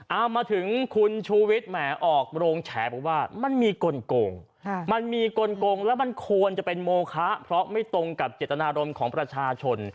เอามาถึงคุณชูวิทย์แหมออกโรงแฉบอกว่ามันมีกลงมันมีกลงแล้วมันควรจะเป็นโมคะเพราะไม่ตรงกับเจตนารมณ์ของประชาชน